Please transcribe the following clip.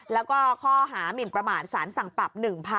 แล้วก็ข้อหามินประมาทสารสั่งปรับ๑๐๐๐